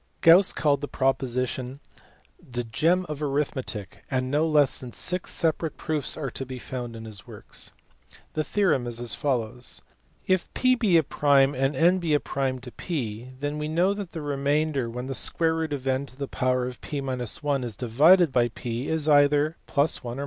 Gauss called the proposition " the gem of arithmetic," and no less than six separate proofs are to be found in his works. The theorem is as follows. If p be a prime and n be prime to p, then we know that the remainder when n^ p ~ l) is divided by JP is either t 1 or 1.